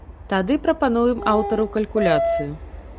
Тады прапануем аўтару калькуляцыю.